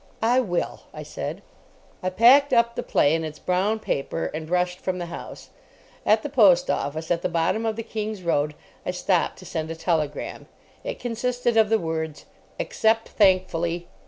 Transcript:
"I will," I said. I packed up the play in its brown paper, and rushed from the house. At the post office, at the bottom of the King's Road, I stopped to send a telegram. It consisted of the words, "Accept thankfully.